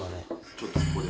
ちょっとここで。